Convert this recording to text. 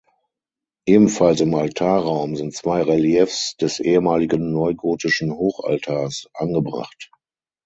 Ebenfalls im Altarraum sind zwei Reliefs des ehemaligen neugotischen Hochaltars angebracht.